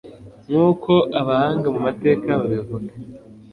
nk'uko abahanga mu mateka babivuga